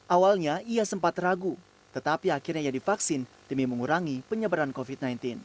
awalnya ia sempat ragu tetapi akhirnya ia divaksin demi mengurangi penyebaran covid sembilan belas